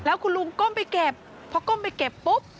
แล้วคุณลุงก้มไปเก็บพอก้มไปเก็บปุ๊บ